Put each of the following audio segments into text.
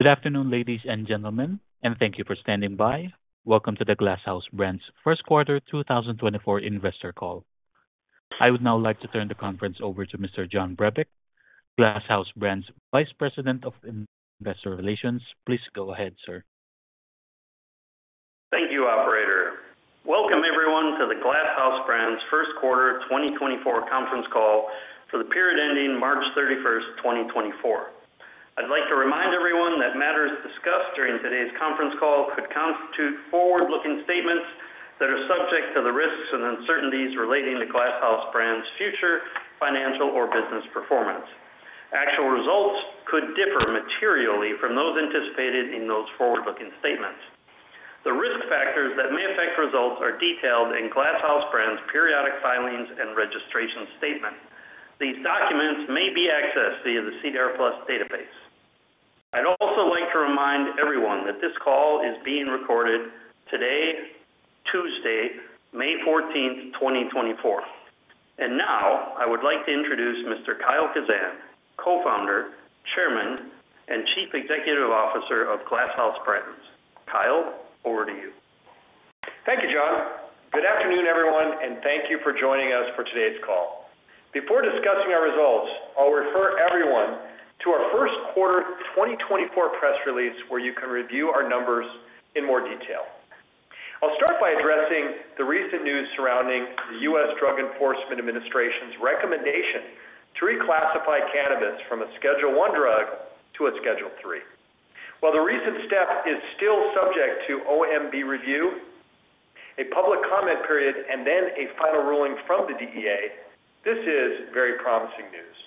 Good afternoon, ladies and gentlemen, and thank you for standing by. Welcome to the Glass House Brands first quarter 2024 investor call. I would now like to turn the conference over to Mr. John Brebeck, Glass House Brands Vice President of Investor Relations. Please go ahead, sir. Thank you, Operator. Welcome, everyone, to the Glass House Brands First Quarter 2024 conference call for the period ending March 31, 2024. I'd like to remind everyone that matters discussed during today's conference call could constitute forward-looking statements that are subject to the risks and uncertainties relating to Glass House Brands' future financial or business performance. Actual results could differ materially from those anticipated in those forward-looking statements. The risk factors that may affect results are detailed in Glass House Brands' periodic filings and registration statement. These documents may be accessed via the SEDAR+ database. I'd also like to remind everyone that this call is being recorded today, Tuesday, May 14, 2024. Now I would like to introduce Mr. Kyle Kazan, Co-Founder, Chairman, and Chief Executive Officer of Glass House Brands. Kyle, over to you. Thank you, John. Good afternoon, everyone, and thank you for joining us for today's call. Before discussing our results, I'll refer everyone to our First Quarter 2024 press release where you can review our numbers in more detail. I'll start by addressing the recent news surrounding the U.S. Drug Enforcement Administration's recommendation to reclassify cannabis from a Schedule I drug to a Schedule III. While the recent step is still subject to OMB review, a public comment period, and then a final ruling from the DEA, this is very promising news.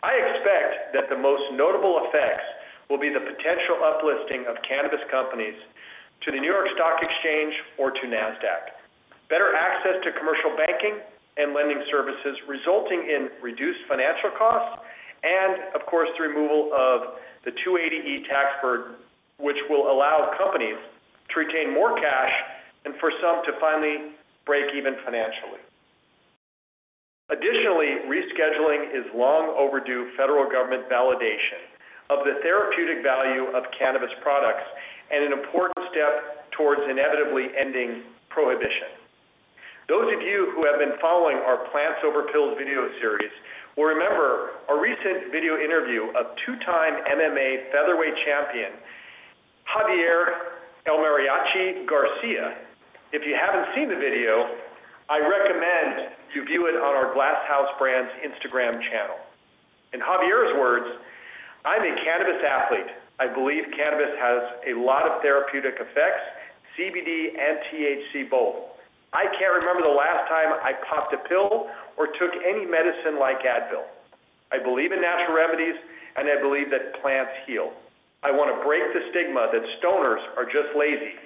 I expect that the most notable effects will be the potential uplisting of cannabis companies to the New York Stock Exchange or to NASDAQ, better access to commercial banking and lending services resulting in reduced financial costs, and of course the removal of the 280E tax burden, which will allow companies to retain more cash and for some to finally break even financially. Additionally, rescheduling is long-overdue federal government validation of the therapeutic value of cannabis products and an important step towards inevitably ending prohibition. Those of you who have been following our Plants Over Pills video series will remember our recent video interview of two-time MMA featherweight champion Javier El Mariachi Garcia. If you haven't seen the video, I recommend you view it on our Glass House Brands Instagram channel. In Javier's words: I'm a cannabis athlete. I believe cannabis has a lot of therapeutic effects, CBD and THC both. I can't remember the last time I popped a pill or took any medicine like Advil. I believe in natural remedies, and I believe that plants heal. I want to break the stigma that stoners are just lazy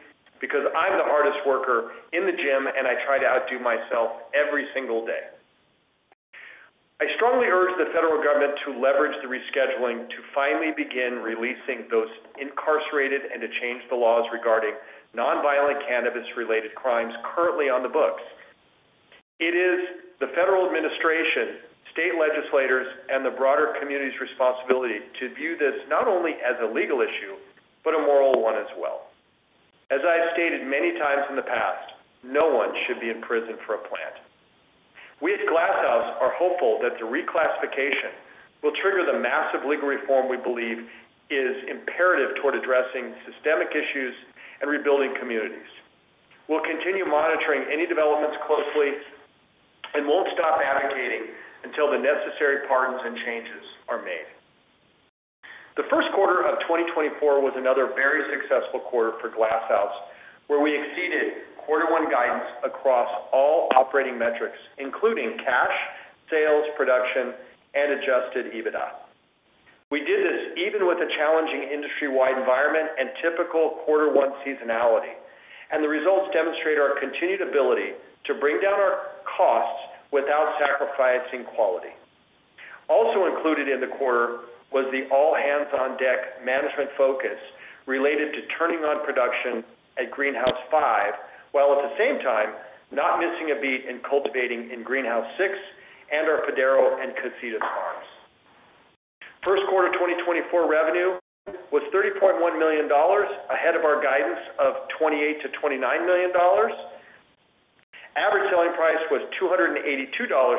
because I'm the hardest worker in the gym, and I try to outdo myself every single day. I strongly urge the federal government to leverage the rescheduling to finally begin releasing those incarcerated and to change the laws regarding nonviolent cannabis-related crimes currently on the books. It is the federal administration, state legislators, and the broader community's responsibility to view this not only as a legal issue but a moral one as well. As I've stated many times in the past, no one should be in prison for a plant. We at Glass House are hopeful that the reclassification will trigger the massive legal reform we believe is imperative toward addressing systemic issues and rebuilding communities. We'll continue monitoring any developments closely and won't stop advocating until the necessary pardons and changes are made. The first quarter of 2024 was another very successful quarter for Glass House, where we exceeded Quarter One guidance across all operating metrics, including cash, sales, production, and adjusted EBITDA. We did this even with a challenging industry-wide environment and typical Quarter One seasonality, and the results demonstrate our continued ability to bring down our costs without sacrificing quality. Also included in the quarter was the all-hands-on-deck management focus related to turning on production at Greenhouse 5 while at the same time not missing a beat in cultivating in Greenhouse 6 and our Padaro and Casitas farms. First quarter 2024 revenue was $30.1 million ahead of our guidance of $28 million-$29 million. Average selling price was $282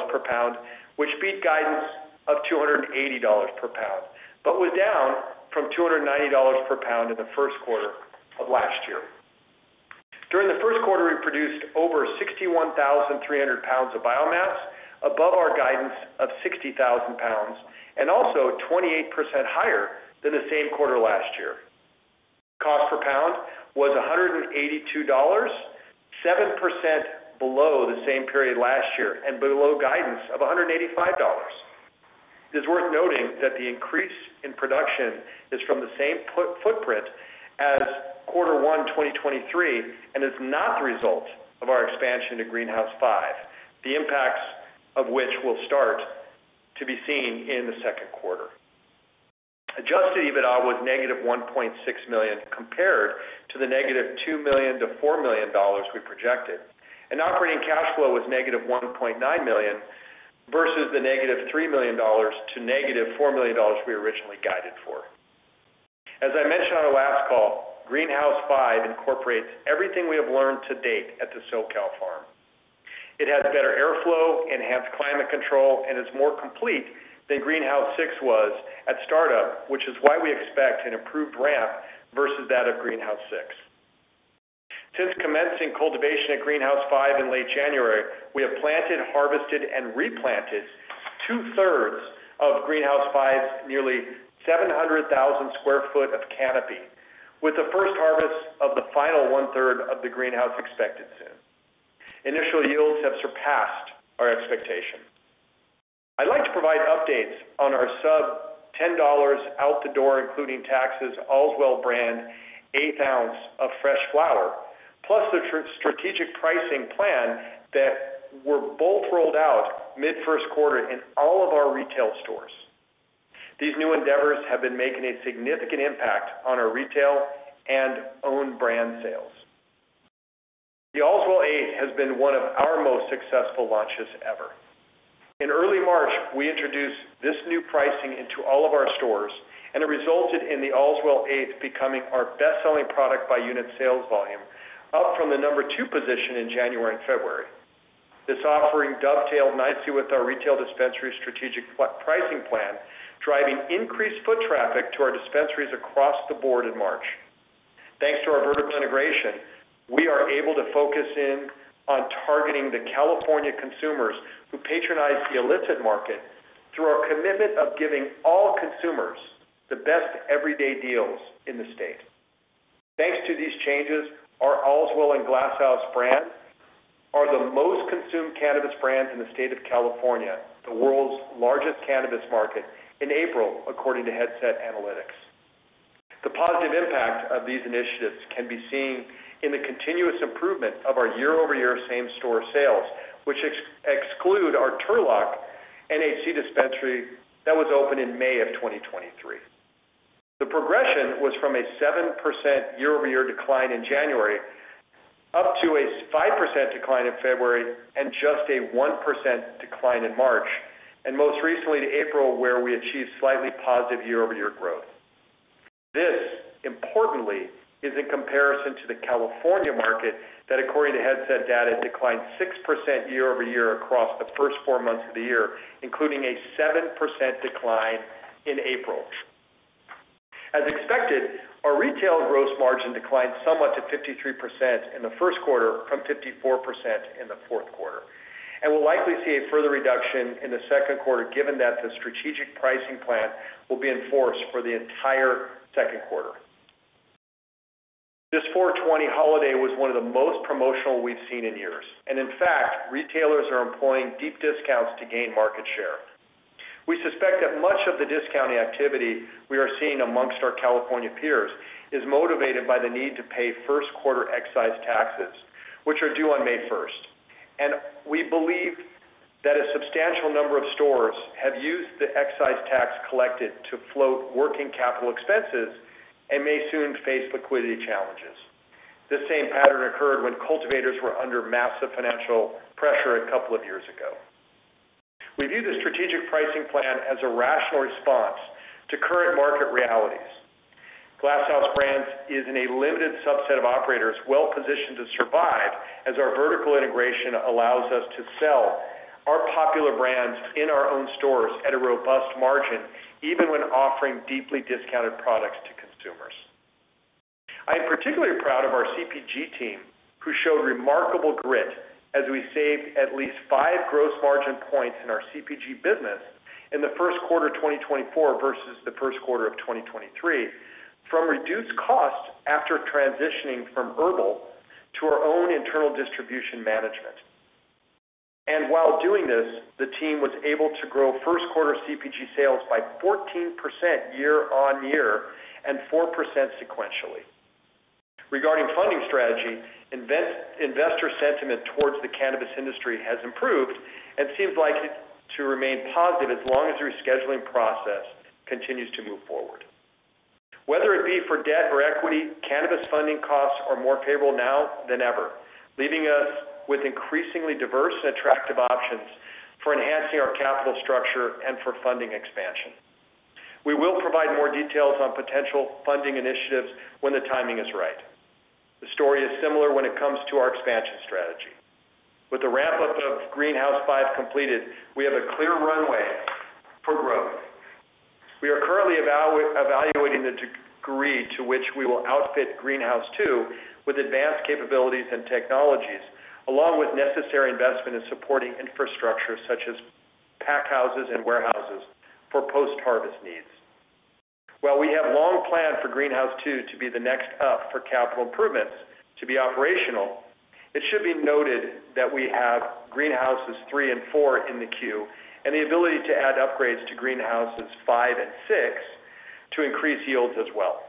per pound, which beat guidance of $280 per pound but was down from $290 per pound in the first quarter of last year. During the first quarter, we produced over 61,300 lbs of biomass, above our guidance of 60,000lbs, and also 28% higher than the same quarter last year. Cost per pound was $182, 7% below the same period last year and below guidance of $185. It is worth noting that the increase in production is from the same footprint as Quarter One 2023 and is not the result of our expansion to Greenhouse 5, the impacts of which will start to be seen in the second quarter. Adjusted EBITDA was -$1.6 million compared to the -$2 million to $4 million we projected, and operating cash flow was -$1.9 million versus the -$3 million to -$4 million we originally guided for. As I mentioned on our last call, Greenhouse 5 incorporates everything we have learned to date at the SoCal farm. It has better airflow, enhanced climate control, and is more complete than Greenhouse 6 was at startup, which is why we expect an improved ramp versus that of Greenhouse 6. Since commencing cultivation at Greenhouse 5 in late January, we have planted, harvested, and replanted 2/3 of Greenhouse 5's nearly 700,000 sq ft of canopy, with the first harvest of the final 1/3 of the greenhouse expected soon. Initial yields have surpassed our expectation. I'd like to provide updates on our sub-$10 out-the-door, including taxes, Allswell brand eighth ounce of fresh flower, plus the strategic pricing plan that were both rolled out mid-first quarter in all of our retail stores. These new endeavors have been making a significant impact on our retail and own brand sales. The Allswell eighth has been one of our most successful launches ever. In early March, we introduced this new pricing into all of our stores, and it resulted in the Allswell eighth becoming our best-selling product-by-unit sales volume, up from the number two position in January and February. This offering dovetailed nicely with our retail dispensary strategic pricing plan, driving increased foot traffic to our dispensaries across the board in March. Thanks to our vertical integration, we are able to focus in on targeting the California consumers who patronize the illicit market through our commitment of giving all consumers the best everyday deals in the state. Thanks to these changes, our Allswell and Glass House Brands are the most consumed cannabis brands in the state of California, the world's largest cannabis market, in April, according to Headset Analytics. The positive impact of these initiatives can be seen in the continuous improvement of our year-over-year same-store sales, which exclude our Turlock NHC dispensary that was open in May of 2023. The progression was from a 7% year-over-year decline in January up to a 5% decline in February and just a 1% decline in March, and most recently to April where we achieved slightly positive year-over-year growth. This, importantly, is in comparison to the California market that, according to Headset data, declined 6% year-over-year across the first four months of the year, including a 7% decline in April. As expected, our retail gross margin declined somewhat to 53% in the first quarter from 54% in the fourth quarter, and we'll likely see a further reduction in the second quarter given that the strategic pricing plan will be enforced for the entire second quarter. This 4/20 holiday was one of the most promotional we've seen in years, and in fact, retailers are employing deep discounts to gain market share. We suspect that much of the discounting activity we are seeing among our California peers is motivated by the need to pay first-quarter excise taxes, which are due on May 1st, and we believe that a substantial number of stores have used the excise tax collected to float working capital expenses and may soon face liquidity challenges. The same pattern occurred when cultivators were under massive financial pressure a couple of years ago. We view the strategic pricing plan as a rational response to current market realities. Glass House Brands is in a limited subset of operators well-positioned to survive as our vertical integration allows us to sell our popular brands in our own stores at a robust margin even when offering deeply discounted products to consumers. I am particularly proud of our CPG team who showed remarkable grit as we saved at least five gross margin points in our CPG business in the first quarter 2024 versus the first quarter of 2023 from reduced costs after transitioning from HERBL to our own internal distribution management. And while doing this, the team was able to grow first-quarter CPG sales by 14% year-on-year and 4% sequentially. Regarding funding strategy, investor sentiment towards the cannabis industry has improved and seems likely to remain positive as long as the rescheduling process continues to move forward. Whether it be for debt or equity, cannabis funding costs are more favorable now than ever, leaving us with increasingly diverse and attractive options for enhancing our capital structure and for funding expansion. We will provide more details on potential funding initiatives when the timing is right. The story is similar when it comes to our expansion strategy. With the ramp-up of Greenhouse 5 completed, we have a clear runway for growth. We are currently evaluating the degree to which we will outfit Greenhouse 2 with advanced capabilities and technologies, along with necessary investment in supporting infrastructure such as packhouses and warehouses for post-harvest needs. While we have long planned for Greenhouse 2 to be the next up for capital improvements to be operational, it should be noted that we have greenhouses 3 and 4 in the queue and the ability to add upgrades to greenhouses 5 and 6 to increase yields as well.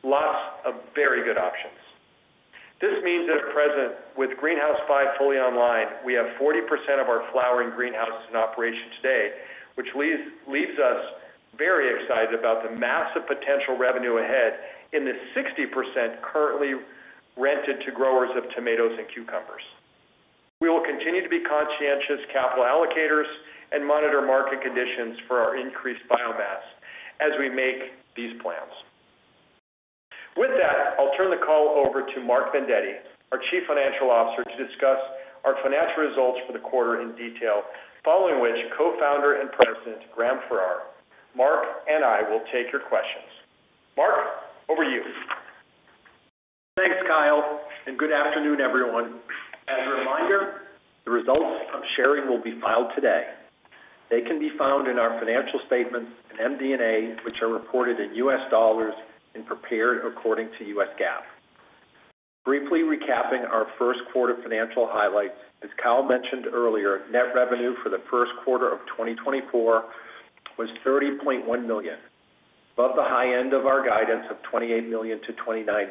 Lots of very good options. This means that at present, with Greenhouse 5 fully online, we have 40% of our flowering greenhouses in operation today, which leaves us very excited about the massive potential revenue ahead in the 60% currently rented to growers of tomatoes and cucumbers. We will continue to be conscientious capital allocators and monitor market conditions for our increased biomass as we make these plans. With that, I'll turn the call over to Mark Vendetti, our Chief Financial Officer, to discuss our financial results for the quarter in detail, following which Co-Founder and President Graham Farrar, Mark and I will take your questions. Mark, over to you. Thanks, Kyle, and good afternoon, everyone. As a reminder, the results I'm sharing will be filed today. They can be found in our financial statements and MD&A, which are reported in U.S. dollars and prepared according to U.S. GAAP. Briefly recapping our first quarter financial highlights, as Kyle mentioned earlier, net revenue for the first quarter of 2024 was $30.1 million, above the high end of our guidance of $28 million-$29 million.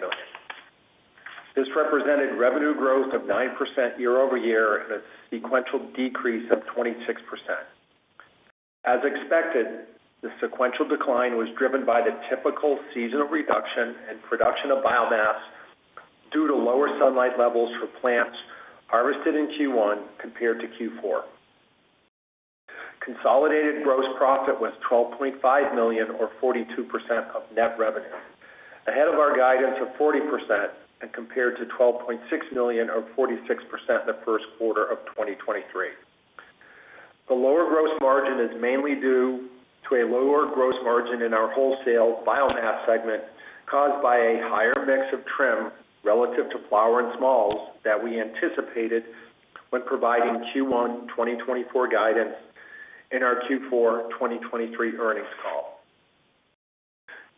This represented revenue growth of 9% year-over-year and a sequential decrease of 26%. As expected, the sequential decline was driven by the typical seasonal reduction in production of biomass due to lower sunlight levels for plants harvested in Q1 compared to Q4. Consolidated gross profit was $12.5 million or 42% of net revenue, ahead of our guidance of 40% and compared to $12.6 million or 46% in the first quarter of 2023. The lower gross margin is mainly due to a lower gross margin in our wholesale biomass segment caused by a higher mix of trim relative to flower and smalls that we anticipated when providing Q1 2024 guidance in our Q4 2023 earnings call.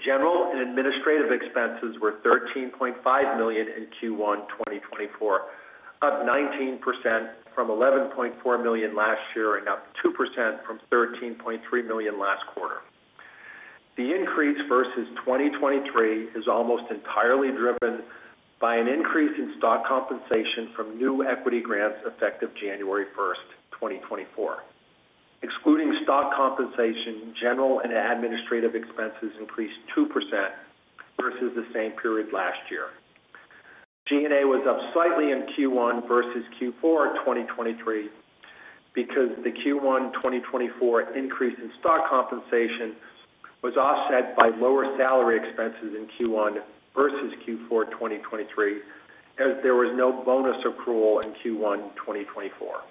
General and administrative expenses were $13.5 million in Q1 2024, up 19% from $11.4 million last year and up 2% from $13.3 million last quarter. The increase versus 2023 is almost entirely driven by an increase in stock compensation from new equity grants effective January 1st, 2024. Excluding stock compensation, general and administrative expenses increased 2% versus the same period last year. G&A was up slightly in Q1 versus Q4 2023 because the Q1 2024 increase in stock compensation was offset by lower salary expenses in Q1 versus Q4 2023 as there was no bonus accrual in Q1 2024.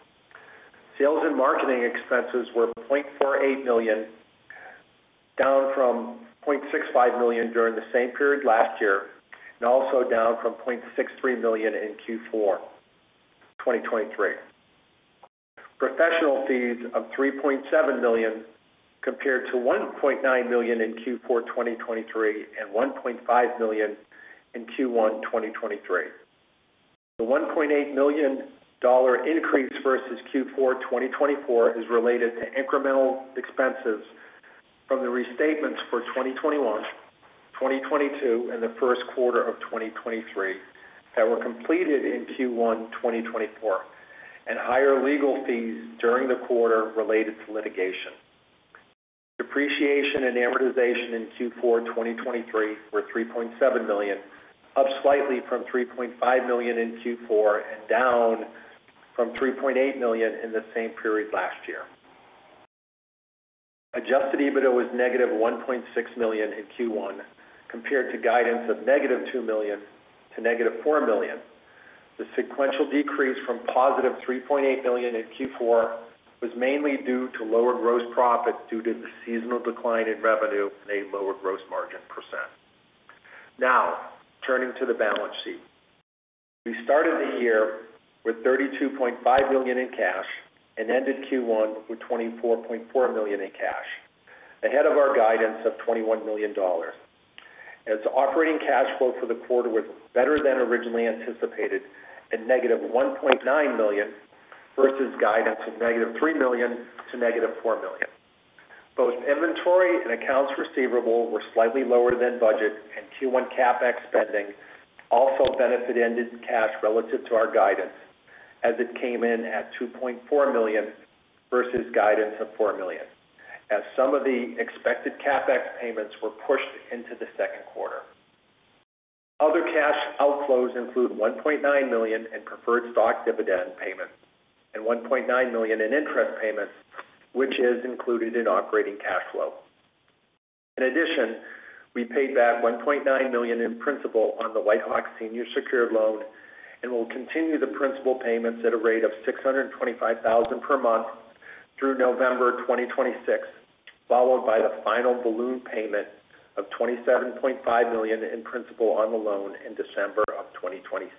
Sales and marketing expenses were $0.48 million, down from $0.65 million during the same period last year and also down from $0.63 million in Q4 2023. Professional fees of $3.7 million compared to $1.9 million in Q4 2023 and $1.5 million in Q1 2023. The $1.8 million increase versus Q4 2024 is related to incremental expenses from the restatements for 2021, 2022, and the first quarter of 2023 that were completed in Q1 2024 and higher legal fees during the quarter. Depreciation and amortization in Q4 2023 were $3.7 million, up slightly from $3.5 million in Q4 and down from $3.8 million in the same period last year. Adjusted EBITDA was -$1.6 million in Q1 compared to guidance of -$2 million to -$4 million. The sequential decrease from positive $3.8 million in Q4 was mainly due to lower gross profit due to the seasonal decline in revenue and a lower gross margin percent. Now, turning to the balance sheet. We started the year with $32.5 million in cash and ended Q1 with $24.4 million in cash, ahead of our guidance of $21 million. As operating cash flow for the quarter was better than originally anticipated at -$1.9 million versus guidance of -$3 million to -$4 million, both inventory and accounts receivable were slightly lower than budget, and Q1 CapEx spending also benefited in cash relative to our guidance as it came in at $2.4 million versus guidance of $4 million, as some of the expected CapEx payments were pushed into the second quarter. Other cash outflows include $1.9 million in preferred stock dividend payments and $1.9 million in interest payments, which is included in operating cash flow. In addition, we paid back $1.9 million in principal on the WhiteHawk Senior Secured Loan and will continue the principal payments at a rate of $625,000 per month through November 2026, followed by the final balloon payment of $27.5 million in principal on the loan in December of 2026.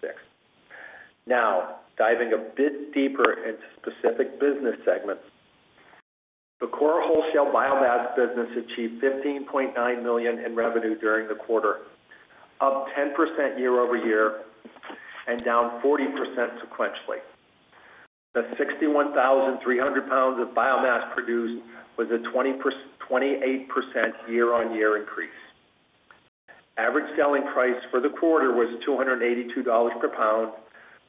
Now, diving a bit deeper into specific business segments, the core wholesale biomass business achieved $15.9 million in revenue during the quarter, up 10% year-over-year and down 40% sequentially. The 61,300 lbs of biomass produced was a 28% year-over-year increase. Average selling price for the quarter was $282 per pound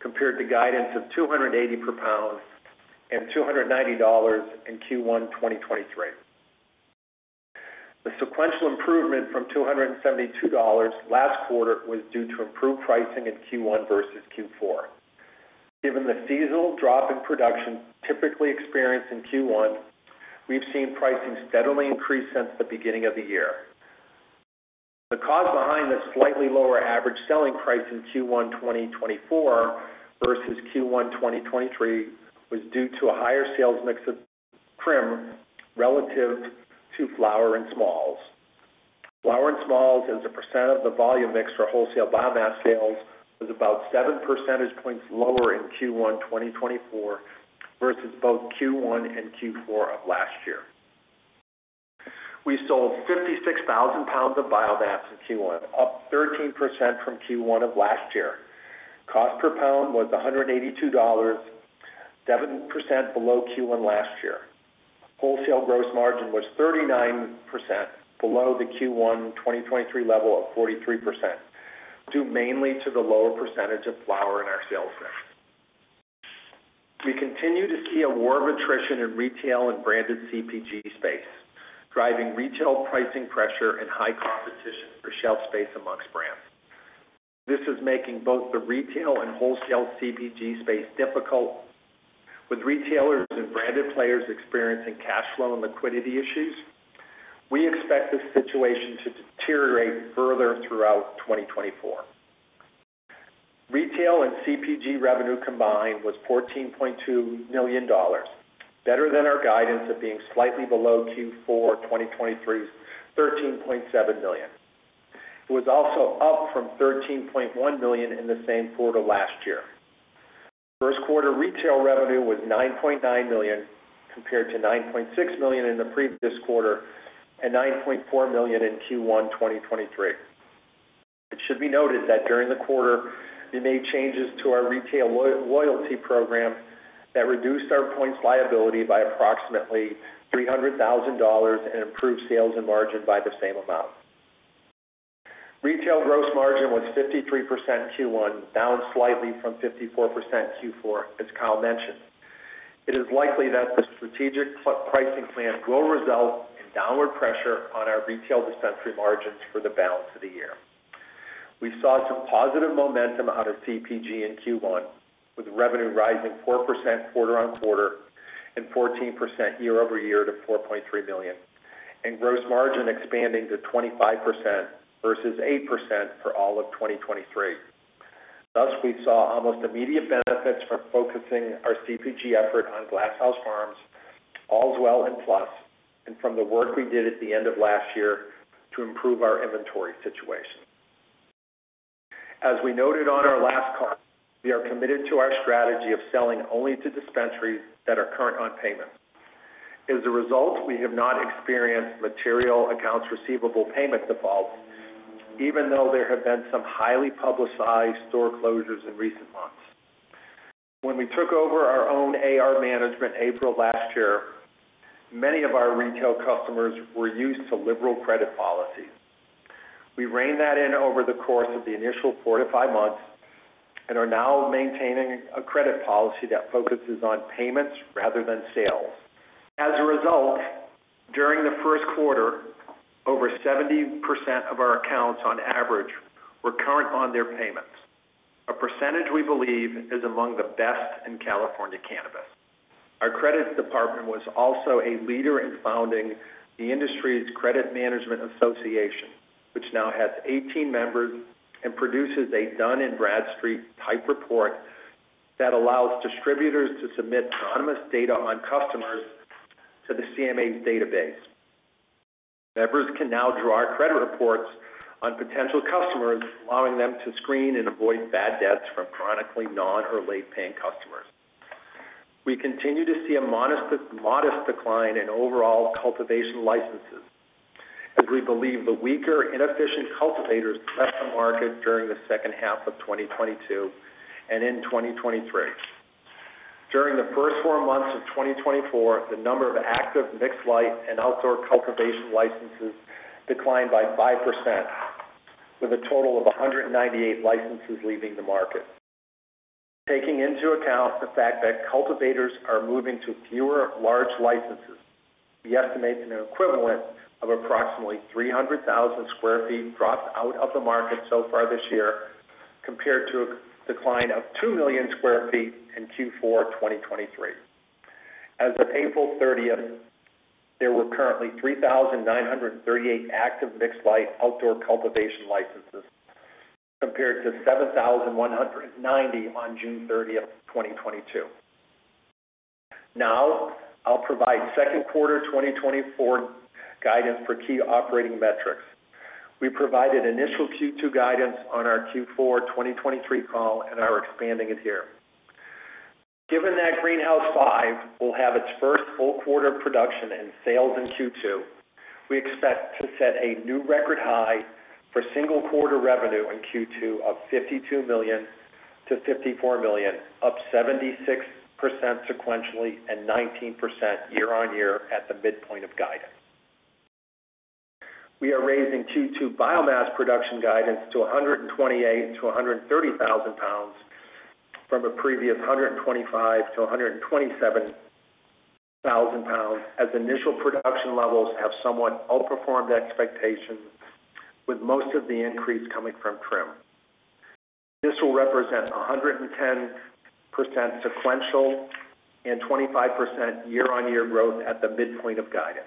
compared to guidance of $280 per pound and $290 in Q1 2023. The sequential improvement from $272 last quarter was due to improved pricing in Q1 versus Q4. Given the seasonal drop in production typically experienced in Q1, we've seen pricing steadily increase since the beginning of the year. The cause behind the slightly lower average selling price in Q1 2024 versus Q1 2023 was due to a higher sales mix of trim relative to flower and smalls. Flower and smalls, as a percent of the volume mix for wholesale biomass sales, was about seven percentage points lower in Q1 2024 versus both Q1 and Q4 of last year. We sold 56,000 lbs of biomass in Q1, up 13% from Q1 of last year. Cost per pound was $182, 7% below Q1 last year. Wholesale gross margin was 39% below the Q1 2023 level of 43%, due mainly to the lower percentage of flower in our sales mix. We continue to see a war of attrition in retail and branded CPG space, driving retail pricing pressure and high competition for shelf space among brands. This is making both the retail and wholesale CPG space difficult. With retailers and branded players experiencing cash flow and liquidity issues, we expect this situation to deteriorate further throughout 2024. Retail and CPG revenue combined was $14.2 million, better than our guidance of being slightly below Q4 2023's $13.7 million. It was also up from $13.1 million in the same quarter last year. First quarter retail revenue was $9.9 million compared to $9.6 million in the previous quarter and $9.4 million in Q1 2023. It should be noted that during the quarter, we made changes to our retail loyalty program that reduced our points liability by approximately $300,000 and improved sales and margin by the same amount. Retail gross margin was 53% in Q1, down slightly from 54% in Q4, as Kyle mentioned. It is likely that the strategic pricing plan will result in downward pressure on our retail dispensary margins for the balance of the year. We saw some positive momentum out of CPG in Q1, with revenue rising 4% quarter-on-quarter and 14% year-over-year to $4.3 million, and gross margin expanding to 25% versus 8% for all of 2023. Thus, we saw almost immediate benefits from focusing our CPG effort on Glass House Farms, Allswell, and PLUS, and from the work we did at the end of last year to improve our inventory situation. As we noted on our last call, we are committed to our strategy of selling only to dispensaries that are current on payment. As a result, we have not experienced material accounts receivable payment defaults, even though there have been some highly publicized store closures in recent months. When we took over our own AR management April last year, many of our retail customers were used to liberal credit policies. We reined that in over the course of the initial 4-5 months and are now maintaining a credit policy that focuses on payments rather than sales. As a result, during the first quarter, over 70% of our accounts on average were current on their payments, a percentage we believe is among the best in California cannabis. Our credit department was also a leader in founding the industry's Credit Management Association, which now has 18 members and produces a Dun & Bradstreet type report that allows distributors to submit anonymous data on customers to the CMA's database. Members can now draw our credit reports on potential customers, allowing them to screen and avoid bad debts from chronically non- or late-paying customers. We continue to see a modest decline in overall cultivation licenses, as we believe the weaker, inefficient cultivators left the market during the second half of 2022 and in 2023. During the first four months of 2024, the number of active mixed light and outdoor cultivation licenses declined by 5%, with a total of 198 licenses leaving the market. Taking into account the fact that cultivators are moving to fewer large licenses, we estimate an equivalent of approximately 300,000 sq ft dropped out of the market so far this year compared to a decline of 2,000,000 sq ft in Q4 2023. As of April 30th, there were currently 3,938 active mixed light outdoor cultivation licenses compared to 7,190 on June 30th, 2022. Now, I'll provide second quarter 2024 guidance for key operating metrics. We provided initial Q2 guidance on our Q4 2023 call and are expanding it here. Given that Greenhouse 5 will have its first full quarter production and sales in Q2, we expect to set a new record high for single quarter revenue in Q2 of $52 million-$54 million, up 76% sequentially and 19% year-over-year at the midpoint of guidance. We are raising Q2 biomass production guidance to 128,000 lbs-130,000 lbs from a previous 125,000 lbs-127,000 lbs as initial production levels have somewhat outperformed expectations, with most of the increase coming from trim. This will represent 110% sequential and 25% year-over-year growth at the midpoint of guidance.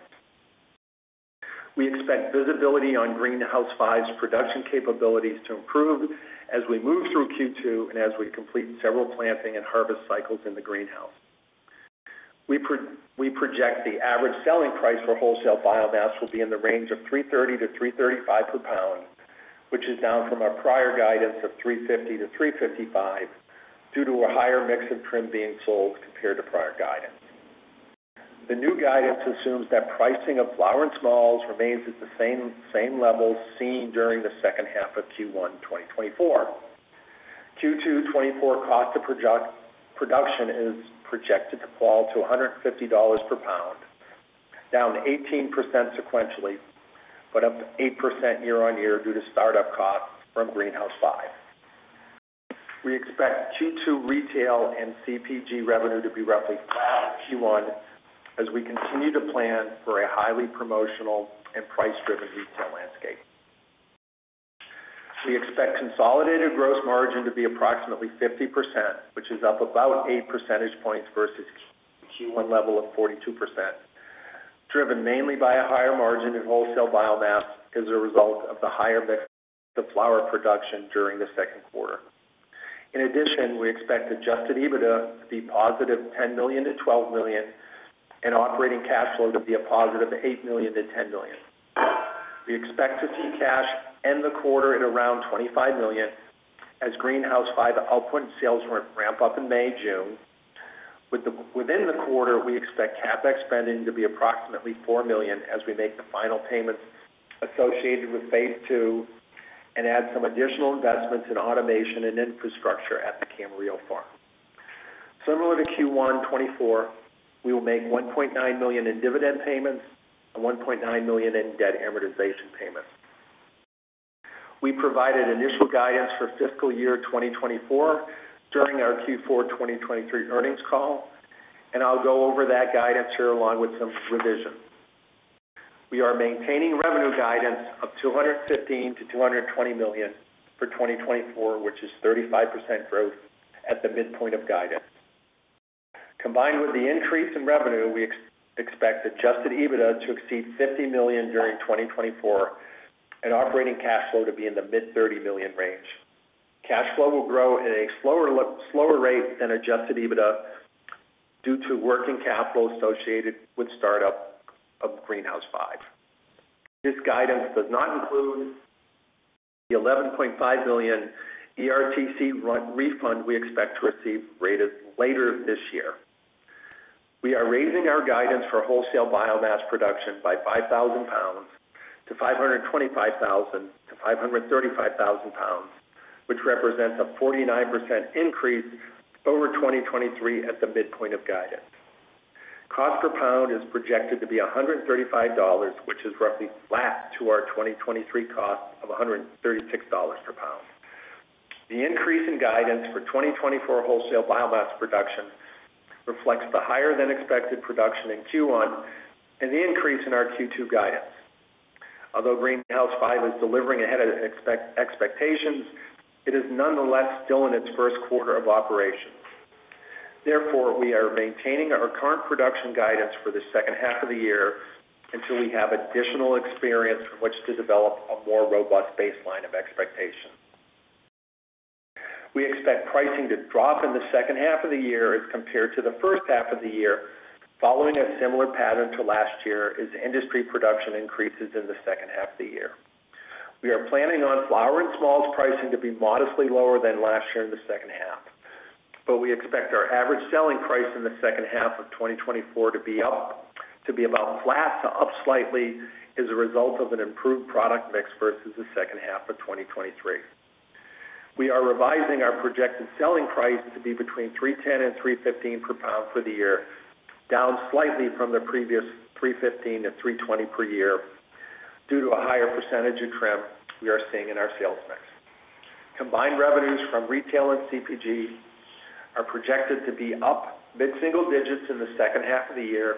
We expect visibility on Greenhouse 5's production capabilities to improve as we move through Q2 and as we complete several planting and harvest cycles in the greenhouse. We project the average selling price for wholesale biomass will be in the range of $330,000-$335,000 per pound, which is down from our prior guidance of $350,000-$355,000 due to a higher mix of trim being sold compared to prior guidance. The new guidance assumes that pricing of flower and smalls remains at the same levels seen during the second half of Q1 2024. Q2 2024 cost of production is projected to fall to $150,000 per pound, down 18% sequentially but up 8% year-on-year due to startup costs from Greenhouse 5. We expect Q2 retail and CPG revenue to be roughly flat in Q1 as we continue to plan for a highly promotional and price-driven retail landscape. We expect consolidated gross margin to be approximately 50%, which is up about 8 percentage points versus the Q1 level of 42%, driven mainly by a higher margin in wholesale biomass as a result of the higher mix of flower production during the second quarter. In addition, we expect adjusted EBITDA to be positive $10 million-$12 million and operating cash flow to be a positive $8 million-$10 million. We expect to see cash end the quarter at around $25 million as Greenhouse 5 output and sales ramp up in May, June. Within the quarter, we expect CapEx spending to be approximately $4 million as we make the final payments associated with phase two and add some additional investments in automation and infrastructure at the Camarillo Farm. Similar to Q1 2024, we will make $1.9 million in dividend payments and $1.9 million in debt amortization payments. We provided initial guidance for fiscal year 2024 during our Q4 2023 earnings call, and I'll go over that guidance here along with some revisions. We are maintaining revenue guidance of $215,000-$220,000 for 2024, which is 35% growth at the midpoint of guidance. Combined with the increase in revenue, we expect Adjusted EBITDA to exceed $50 million during 2024 and operating cash flow to be in the mid-$30 million range. Cash flow will grow at a slower rate than Adjusted EBITDA due to working capital associated with startup of Greenhouse 5. This guidance does not include the $11.5 million ERTC refund we expect to receive later this year. We are raising our guidance for wholesale biomass production by 5,000 lbs to 525,000 lbs-535,000 lbs, which represents a 49% increase over 2023 at the midpoint of guidance. Cost per pound is projected to be $135,000, which is roughly flat to our 2023 cost of $136,000 per pound. The increase in guidance for 2024 wholesale biomass production reflects the higher-than-expected production in Q1 and the increase in our Q2 guidance. Although Greenhouse 5 is delivering ahead of expectations, it is nonetheless still in its first quarter of operations. Therefore, we are maintaining our current production guidance for the second half of the year until we have additional experience from which to develop a more robust baseline of expectations. We expect pricing to drop in the second half of the year as compared to the first half of the year. Following a similar pattern to last year is industry production increases in the second half of the year. We are planning on flower and smalls pricing to be modestly lower than last year in the second half, but we expect our average selling price in the second half of 2024 to be up to be about flat to up slightly as a result of an improved product mix versus the second half of 2023. We are revising our projected selling price to be between $310,000-$315,000 per pound for the year, down slightly from the previous $315,000-$320,000 per year due to a higher percentage of trim we are seeing in our sales mix. Combined revenues from retail and CPG are projected to be up mid-single digits in the second half of the year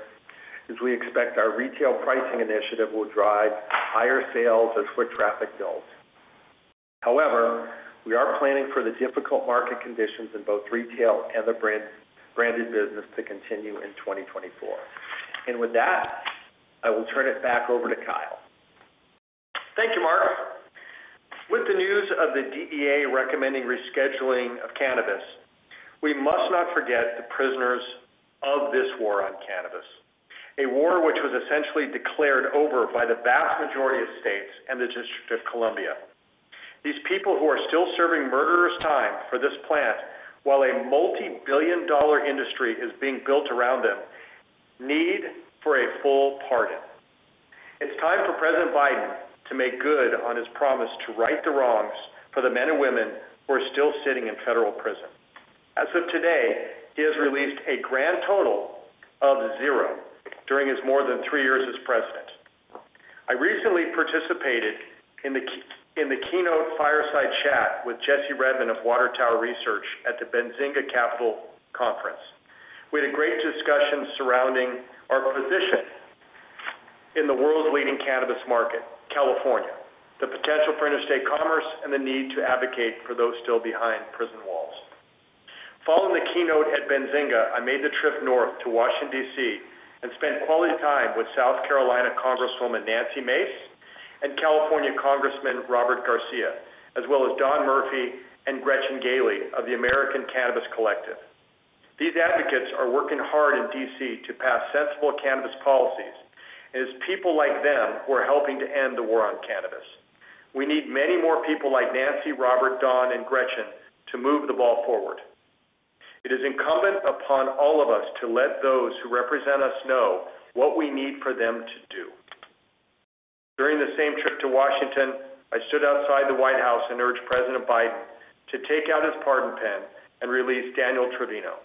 as we expect our retail pricing initiative will drive higher sales as foot traffic builds. However, we are planning for the difficult market conditions in both retail and the branded business to continue in 2024. With that, I will turn it back over to Kyle. Thank you, Mark. With the news of the DEA recommending rescheduling of cannabis, we must not forget the prisoners of this war on cannabis, a war which was essentially declared over by the vast majority of states and the District of Columbia. These people who are still serving murderous time for this plant while a multi-billion-dollar industry is being built around them need for a full pardon. It's time for President Biden to make good on his promise to right the wrongs for the men and women who are still sitting in federal prison. As of today, he has released a grand total of zero during his more than 3 years as president. I recently participated in the keynote fireside chat with Jesse Redmond of Water Tower Research at the Benzinga Capital Conference. We had a great discussion surrounding our position in the world's leading cannabis market, California, the potential for interstate commerce, and the need to advocate for those still behind prison walls. Following the keynote at Benzinga, I made the trip north to Washington, D.C., and spent quality time with South Carolina Congresswoman Nancy Mace and California Congressman Robert Garcia, as well as Don Murphy and Gretchen Gailey of the American Cannabis Collective. These advocates are working hard in D.C. to pass sensible cannabis policies, and it's people like them who are helping to end the war on cannabis. We need many more people like Nancy, Robert, Don, and Gretchen to move the ball forward. It is incumbent upon all of us to let those who represent us know what we need for them to do. During the same trip to Washington, I stood outside the White House and urged President Biden to take out his pardon pen and release Daniel Trevino.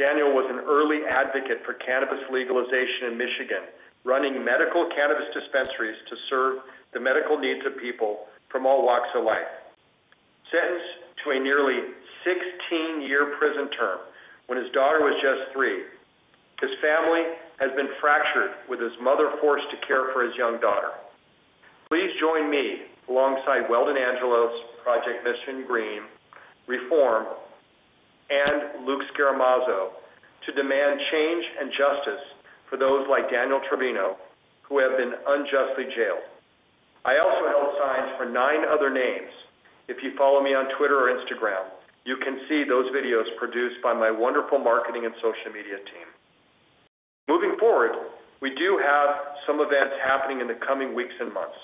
Daniel was an early advocate for cannabis legalization in Michigan, running medical cannabis dispensaries to serve the medical needs of people from all walks of life, sentenced to a nearly 16-year prison term when his daughter was just three. His family has been fractured with his mother forced to care for his young daughter. Please join me alongside Weldon Angelos' Mission Green reform and Luke Scarmazzo to demand change and justice for those like Daniel Trevino who have been unjustly jailed. I also held signs for nine other names. If you follow me on Twitter or Instagram, you can see those videos produced by my wonderful marketing and social media team. Moving forward, we do have some events happening in the coming weeks and months.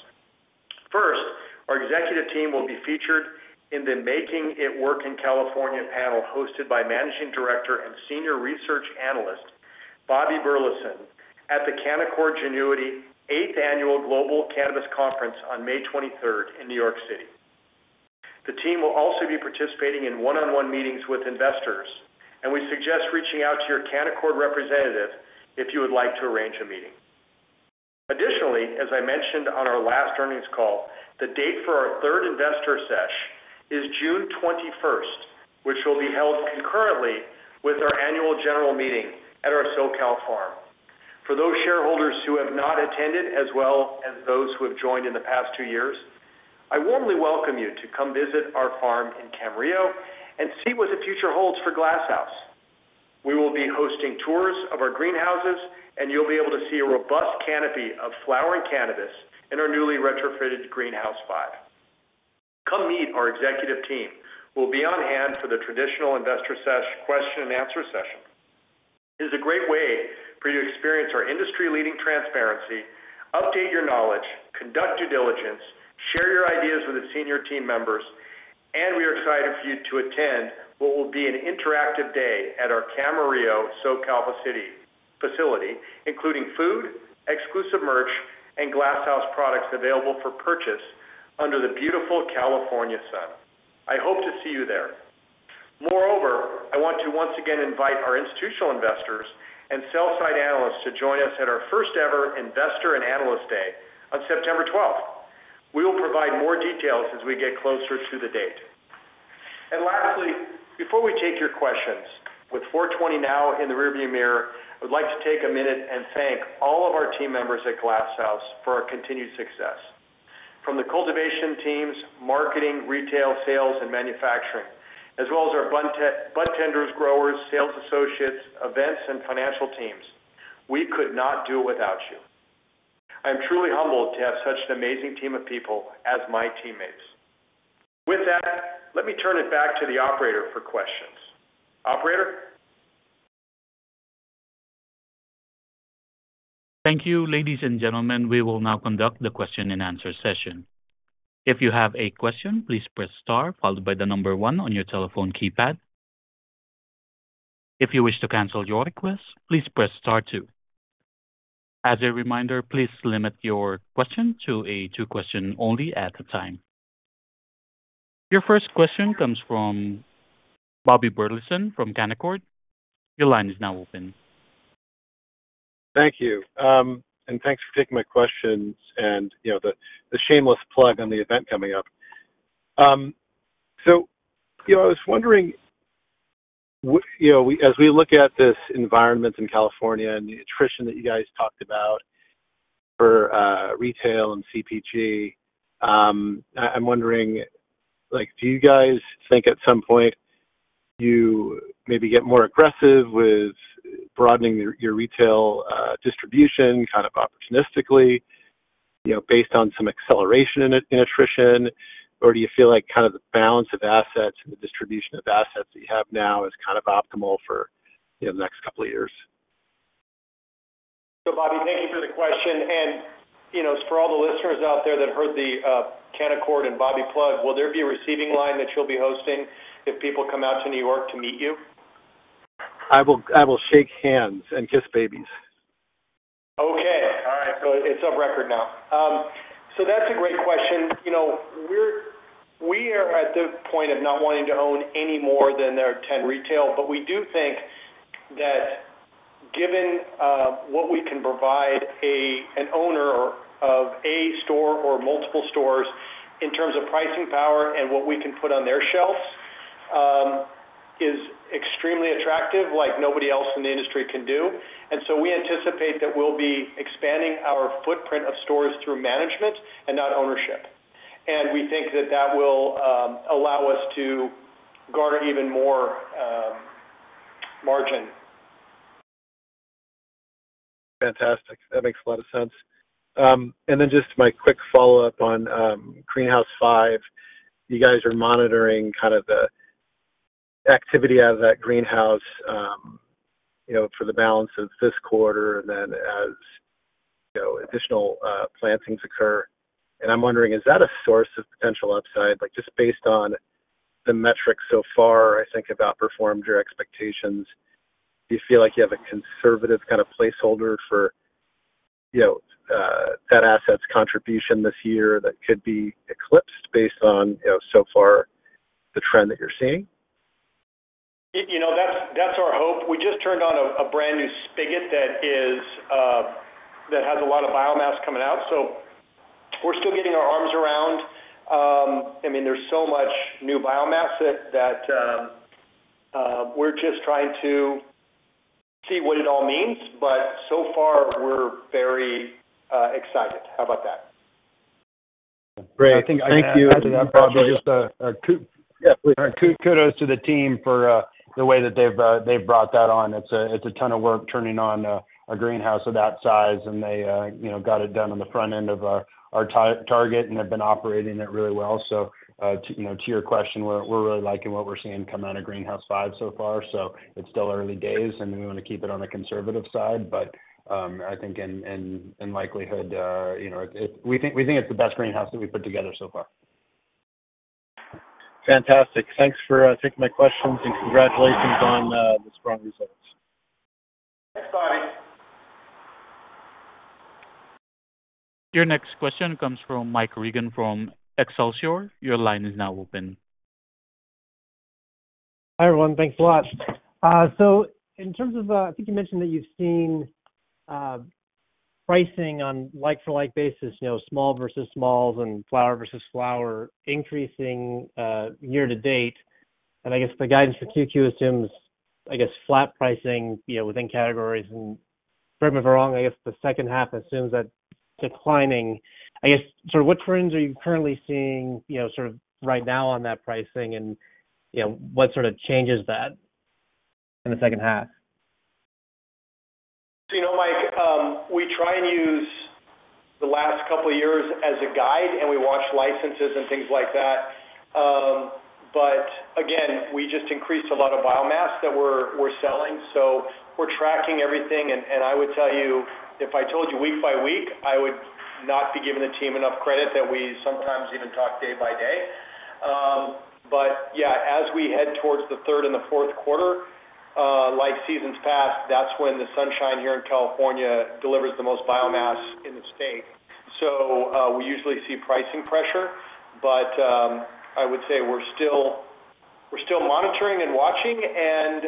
First, our executive team will be featured in the Making It Work in California panel hosted by Managing Director and Senior Research Analyst Bobby Burleson at the Canaccord Genuity 8th Annual Global Cannabis Conference on May 23rd in New York City. The team will also be participating in one-on-one meetings with investors, and we suggest reaching out to your Canaccord representative if you would like to arrange a meeting. Additionally, as I mentioned on our last earnings call, the date for our third investor sesh is June 21st, which will be held concurrently with our annual general meeting at our SoCal farm. For those shareholders who have not attended as well as those who have joined in the past two years, I warmly welcome you to come visit our farm in Camarillo and see what the future holds for Glass House. We will be hosting tours of our greenhouses, and you'll be able to see a robust canopy of flowering cannabis in our newly retrofitted Greenhouse 5. Come meet our executive team. We'll be on hand for the traditional investor sesh question-and-answer session. It is a great way for you to experience our industry-leading transparency, update your knowledge, conduct due diligence, share your ideas with the senior team members, and we are excited for you to attend what will be an interactive day at our Camarillo SoCal facility, including food, exclusive merch, and Glass House products available for purchase under the beautiful California sun. I hope to see you there. Moreover, I want to once again invite our institutional investors and sell-side analysts to join us at our first-ever Investor and Analyst Day on September 12th. We will provide more details as we get closer to the date. And lastly, before we take your questions, with 4/20 now in the rearview mirror, I would like to take a minute and thank all of our team members at Glass House for our continued success. From the cultivation teams, marketing, retail, sales, and manufacturing, as well as our budtenders, growers, sales associates, events, and financial teams, we could not do it without you. I am truly humbled to have such an amazing team of people as my teammates. With that, let me turn it back to the operator for questions. Operator? Thank you, ladies and gentlemen. We will now conduct the question-and-answer session. If you have a question, please press star followed by the number one on your telephone keypad. If you wish to cancel your request, please press star two. As a reminder, please limit your question to a two-question only at a time. Your first question comes from Bobby Burleson from Canaccord. Your line is now open. Thank you. Thanks for taking my questions and the shameless plug on the event coming up. I was wondering, as we look at this environment in California and the attrition that you guys talked about for retail and CPG, I'm wondering, do you guys think at some point you maybe get more aggressive with broadening your retail distribution kind of opportunistically based on some acceleration in attrition, or do you feel like kind of the balance of assets and the distribution of assets that you have now is kind of optimal for the next couple of years? So Bobby, thank you for the question. For all the listeners out there that heard the Canaccord and Bobby plug, will there be a receiving line that you'll be hosting if people come out to New York to meet you? I will shake hands and kiss babies. Okay. All right. So it's off record now. So that's a great question. We are at the point of not wanting to own any more than there are 10 retail, but we do think that given what we can provide an owner of a store or multiple stores in terms of pricing power and what we can put on their shelves is extremely attractive, like nobody else in the industry can do. And so we anticipate that we'll be expanding our footprint of stores through management and not ownership. And we think that that will allow us to garner even more margin. Fantastic. That makes a lot of sense. And then just my quick follow-up on Greenhouse 5, you guys are monitoring kind of the activity out of that greenhouse for the balance of this quarter and then as additional plantings occur. And I'm wondering, is that a source of potential upside? Just based on the metrics so far, I think outperformed your expectations, do you feel like you have a conservative kind of placeholder for that asset's contribution this year that could be eclipsed based on so far the trend that you're seeing? That's our hope. We just turned on a brand new spigot that has a lot of biomass coming out. So we're still getting our arms around. I mean, there's so much new biomass that we're just trying to see what it all means, but so far, we're very excited. How about that? Great. Thank you. Thank you. Add to that, Bobby, just a kudos to the team for the way that they've brought that on. It's a ton of work turning on a greenhouse of that size, and they got it done on the front end of our target, and they've been operating it really well. So to your question, we're really liking what we're seeing come out of Greenhouse 5 so far. So it's still early days, and we want to keep it on a conservative side, but I think in likelihood, we think it's the best greenhouse that we've put together so far. Fantastic. Thanks for taking my questions, and congratulations on the strong results. Thanks, Bobby. Your next question comes from Mike Regan from Excelsior. Your line is now open. Hi everyone. Thanks a lot. So in terms of I think you mentioned that you've seen pricing on like-for-like basis, small versus smalls, and flower versus flower increasing year to date. And I guess the guidance for QQ assumes, I guess, flat pricing within categories. And correct me if I'm wrong, I guess the second half assumes that declining. I guess sort of what trends are you currently seeing sort of right now on that pricing, and what sort of changes that in the second half? So Mike, we try and use the last couple of years as a guide, and we watch licenses and things like that. But again, we just increased a lot of biomass that we're selling. So we're tracking everything. And I would tell you, if I told you week by week, I would not be giving the team enough credit that we sometimes even talk day by day. But yeah, as we head towards the third and the fourth quarter, life seasons pass. That's when the sunshine here in California delivers the most biomass in the state. So we usually see pricing pressure, but I would say we're still monitoring and watching. And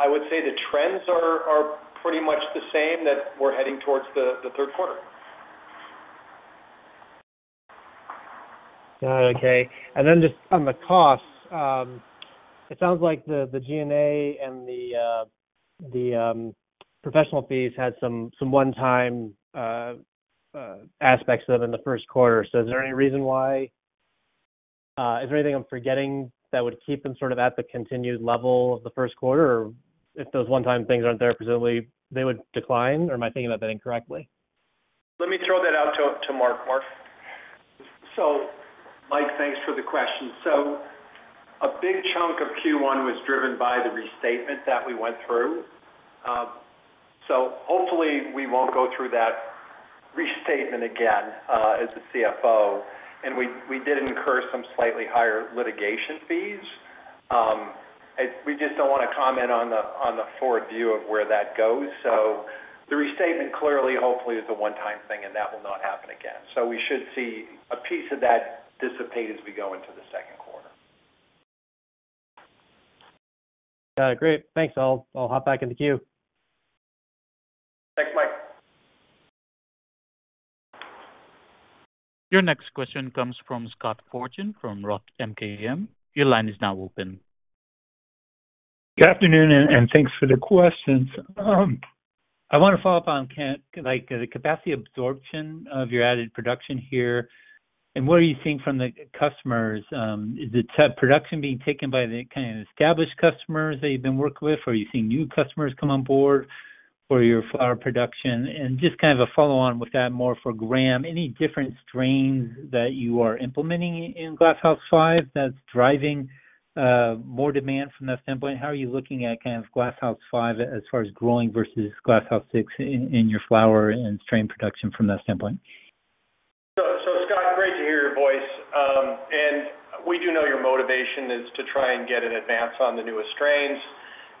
I would say the trends are pretty much the same that we're heading towards the third quarter. Got it. Okay. And then just on the costs, it sounds like the G&A and the professional fees had some one-time aspects of them in the first quarter. So is there any reason why is there anything I'm forgetting that would keep them sort of at the continued level of the first quarter, or if those one-time things aren't there, presumably, they would decline? Or am I thinking about that incorrectly? Let me throw that out to Mark. Mark? Mike, thanks for the question. A big chunk of Q1 was driven by the restatement that we went through. Hopefully, we won't go through that restatement again as the CFO. We did incur some slightly higher litigation fees. We just don't want to comment on the forward view of where that goes. The restatement clearly, hopefully, is a one-time thing, and that will not happen again. We should see a piece of that dissipate as we go into the second quarter. Got it. Great. Thanks. I'll hop back into queue. Thanks, Mike. Your next question comes from Scott Fortune from Roth MKM. Your line is now open. Good afternoon, and thanks for the questions. I want to follow up on the capacity absorption of your added production here. What are you seeing from the customers? Is it production being taken by the kind of established customers that you've been working with, or are you seeing new customers come on board for your flower production? Just kind of a follow-on with that more for Graham, any different strains that you are implementing in Greenhouse 5 that's driving more demand from that standpoint? How are you looking at kind of Greenhouse 5 as far as growing versus Greenhouse 6 in your flower and strain production from that standpoint? Scott, great to hear your voice. We do know your motivation is to try and get an advance on the newest strains,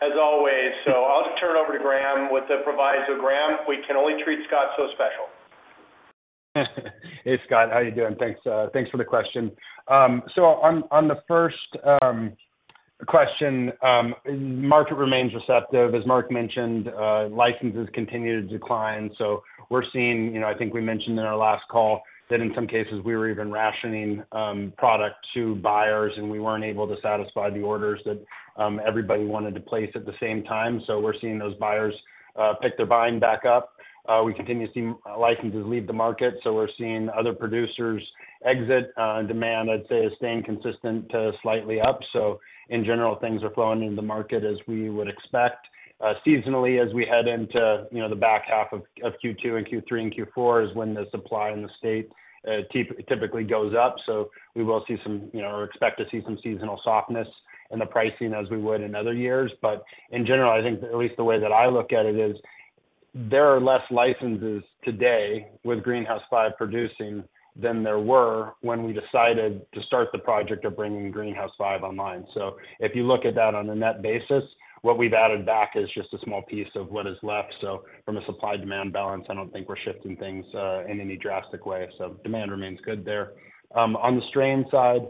as always. I'll just turn it over to Graham. With the proviso, Graham, we can only treat Scott so special. Hey Scott, how are you doing? Thanks for the question. So on the first question, market remains receptive. As Mark mentioned, licenses continue to decline. So we're seeing I think we mentioned in our last call that in some cases, we were even rationing product to buyers, and we weren't able to satisfy the orders that everybody wanted to place at the same time. So we're seeing those buyers pick their buying back up. We continue to see licenses leave the market. So we're seeing other producers exit. Demand, I'd say, is staying consistent to slightly up. So in general, things are flowing into the market as we would expect. Seasonally, as we head into the back half of Q2 and Q3 and Q4 is when the supply in the state typically goes up. So we will see some or expect to see some seasonal softness in the pricing as we would in other years. But in general, I think at least the way that I look at it is there are less licenses today with Greenhouse 5 producing than there were when we decided to start the project of bringing Greenhouse 5 online. So if you look at that on a net basis, what we've added back is just a small piece of what is left. So from a supply-demand balance, I don't think we're shifting things in any drastic way. So demand remains good there. On the strain side,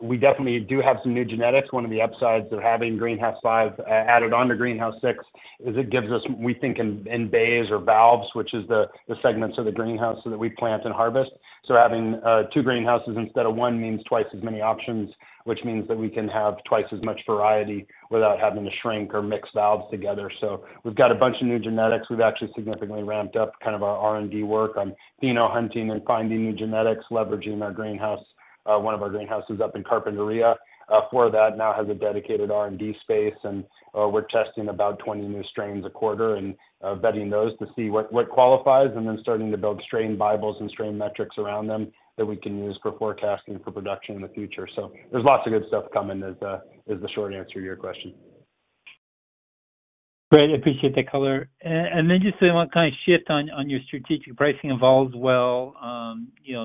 we definitely do have some new genetics. One of the upsides of having Greenhouse 5 added on to Greenhouse 6 is it gives us, we think, in bays or valves, which is the segments of the greenhouse that we plant and harvest. So having two greenhouses instead of one means twice as many options, which means that we can have twice as much variety without having to shrink or mix cultivars together. So we've got a bunch of new genetics. We've actually significantly ramped up kind of our R&D work on pheno-hunting and finding new genetics, leveraging our Greenhouse 1, one of our greenhouses up in Carpinteria for that, now has a dedicated R&D space. And we're testing about 20 new strains a quarter and vetting those to see what qualifies, and then starting to build strain bibles and strain metrics around them that we can use for forecasting for production in the future. So there's lots of good stuff coming is the short answer to your question. Great. I appreciate the color. And then just saying what kind of shift on your strategic pricing involves? Well.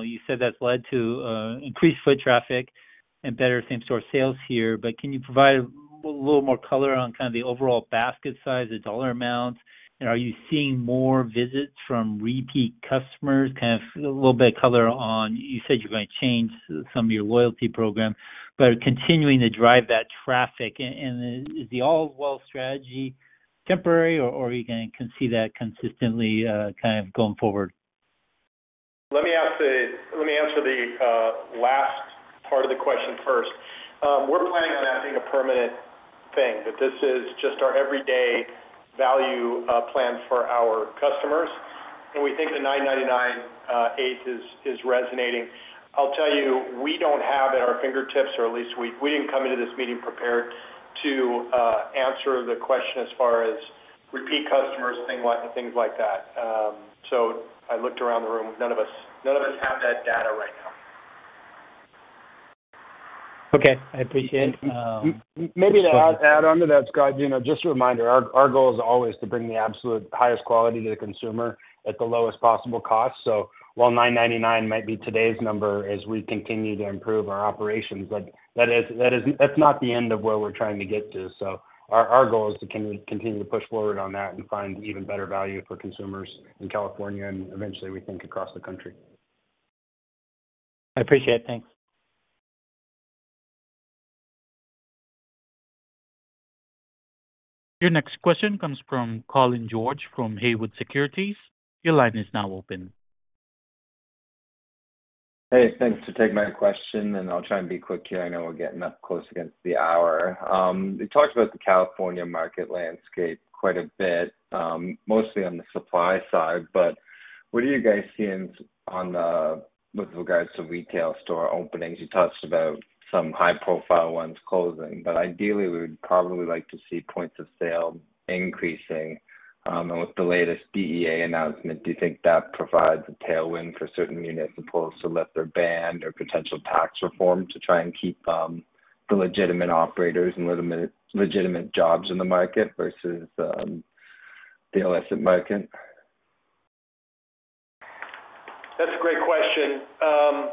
You said that's led to increased foot traffic and better same-store sales here. But can you provide a little more color on kind of the overall basket size, the dollar amounts? And are you seeing more visits from repeat customers? Kind of a little bit of color on you said you're going to change some of your loyalty program, but continuing to drive that traffic. And is the Allswell strategy temporary, or are you going to see that consistently kind of going forward? Let me answer the last part of the question first. We're planning on that being a permanent thing, that this is just our everyday value plan for our customers. And we think the $9.99/8 is resonating. I'll tell you, we don't have at our fingertips, or at least we didn't come into this meeting prepared to answer the question as far as repeat customers, things like that. So I looked around the room. None of us have that data right now. Okay. I appreciate it. Maybe to add on to that, Scott, just a reminder, our goal is always to bring the absolute highest quality to the consumer at the lowest possible cost. So while $9.99 might be today's number as we continue to improve our operations, that's not the end of where we're trying to get to. So our goal is to continue to push forward on that and find even better value for consumers in California and eventually, we think, across the country. I appreciate it. Thanks. Your next question comes from Colin George from Haywood Securities. Your line is now open. Hey, thanks for taking my question. And I'll try and be quick here. I know we're getting up against the hour. We talked about the California market landscape quite a bit, mostly on the supply side. But what are you guys seeing with regards to retail store openings? You touched on some high-profile ones closing. But ideally, we would probably like to see points of sale increasing. And with the latest DEA announcement, do you think that provides a tailwind for certain municipals to let their ban or potential tax reform to try and keep the legitimate operators and legitimate jobs in the market versus the illicit market? That's a great question.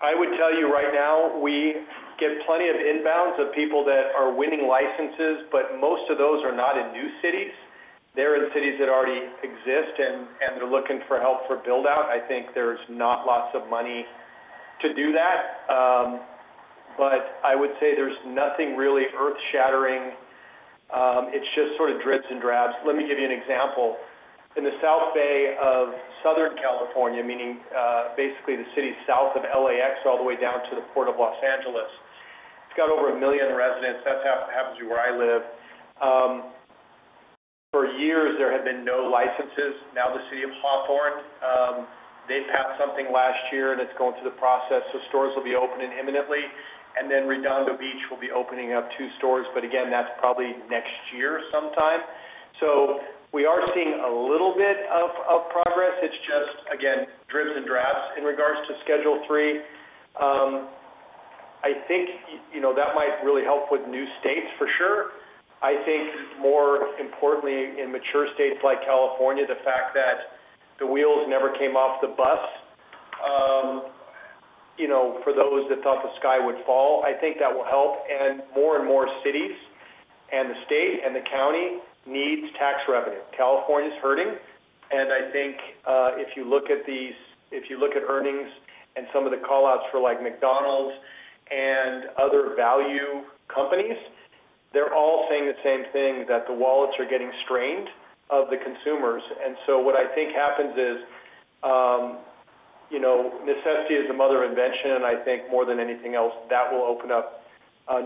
I would tell you right now, we get plenty of inbounds of people that are winning licenses, but most of those are not in new cities. They're in cities that already exist, and they're looking for help for buildout. I think there's not lots of money to do that. But I would say there's nothing really earth-shattering. It's just sort of dribs and drabs. Let me give you an example. In the South Bay of Southern California, meaning basically the city south of LAX all the way down to the Port of Los Angeles, it's got over a million residents. That happens to be where I live. For years, there had been no licenses. Now, the city of Hawthorne, they passed something last year, and it's going through the process. So stores will be opening imminently. And then Redondo Beach will be opening up two stores. But again, that's probably next year sometime. So we are seeing a little bit of progress. It's just, again, dribs and drabs in regards to Schedule III. I think that might really help with new states, for sure. I think more importantly, in mature states like California, the fact that the wheels never came off the bus for those that thought the sky would fall, I think that will help. And more and more cities and the state and the county needs tax revenue. California's hurting. And I think if you look at earnings and some of the callouts for McDonald's and other value companies, they're all saying the same thing, that the wallets are getting strained of the consumers. And so what I think happens is necessity is a mother of invention. I think more than anything else, that will open up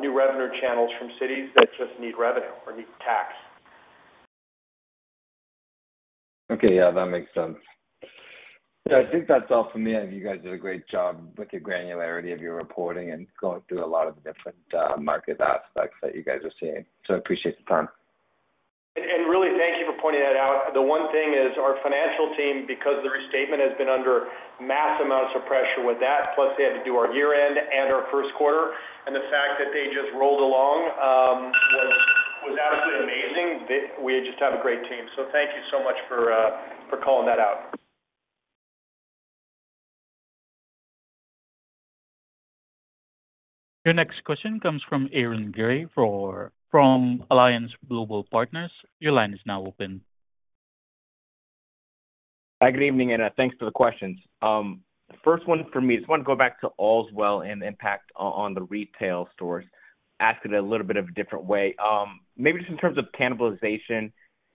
new revenue channels from cities that just need revenue or need tax. Okay. Yeah, that makes sense. Yeah, I think that's all from me. I think you guys did a great job with the granularity of your reporting and going through a lot of the different market aspects that you guys are seeing. So I appreciate the time. Really, thank you for pointing that out. The one thing is our financial team, because the restatement has been under mass amounts of pressure with that, plus they had to do our year-end and our first quarter, and the fact that they just rolled along was absolutely amazing. We just have a great team. Thank you so much for calling that out. Your next question comes from Aaron Grey from Alliance Global Partners. Your line is now open. Hi, good evening, Kyle. Thanks for the questions. The first one for me, I just want to go back to Allswell and impact on the retail stores, ask it a little bit of a different way. Maybe just in terms of cannibalization,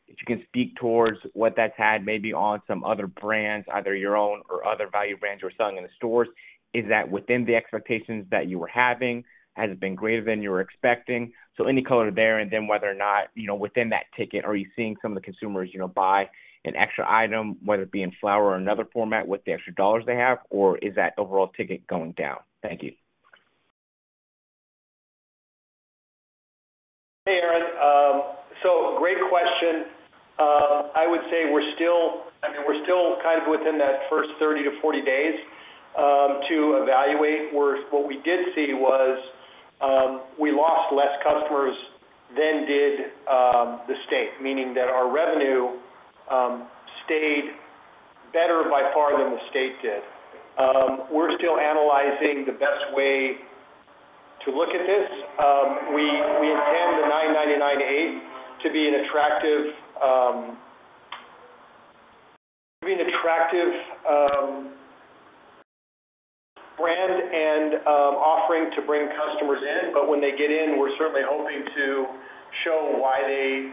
if you can speak towards what that's had maybe on some other brands, either your own or other value brands you were selling in the stores, is that within the expectations that you were having? Has it been greater than you were expecting? So any color there. And then whether or not within that ticket, are you seeing some of the consumers buy an extra item, whether it be in flower or another format, with the extra dollars they have? Or is that overall ticket going down? Thank you. Hey, Aaron. So great question. I would say we're still—I mean, we're still kind of within that first 30-40 days to evaluate. What we did see was we lost less customers than did the state, meaning that our revenue stayed better by far than the state did. We're still analyzing the best way to look at this. We intend the $9.99 eighth to be an attractive brand and offering to bring customers in. But when they get in, we're certainly hoping to show why